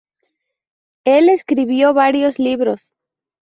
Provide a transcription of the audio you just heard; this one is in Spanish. El escribió varios libros.